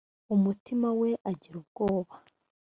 umutima we agira ubwoba.